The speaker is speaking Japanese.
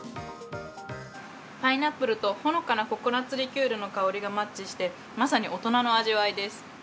パイナップルとほのかなココナッツリキュールの香りがマッチして、まさに大人の味わいです。